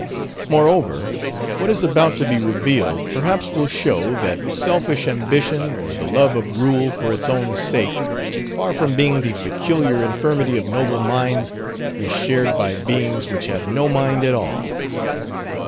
Moreover, what is about to be revealed, perhaps will show, that selfish ambition, or the love of rule for its own sake, far from being the peculiar infirmity of noble minds, is shared by beings which have no mind at all.